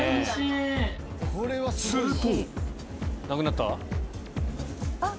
すると。